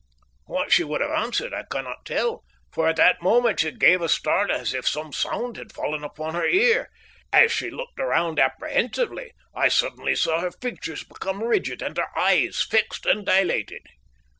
What she would have answered I cannot tell, for at that moment she gave a start as if some sound had fallen upon her ear. As she looked round apprehensively, I suddenly saw her features become rigid and her eyes fixed and dilated.